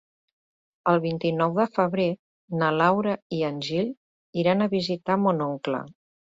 El vint-i-nou de febrer na Laura i en Gil iran a visitar mon oncle.